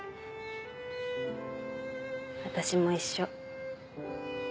私も一緒。